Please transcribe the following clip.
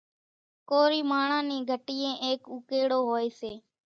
ڪورِي ماڻۿان نِي گھٽيئين ايڪ اُوڪيڙو هوئيَ سي۔